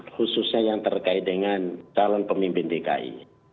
khususnya yang terkait dengan calon pemimpin dki